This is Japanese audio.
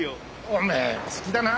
おめえ好きだな。